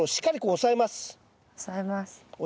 押さえます。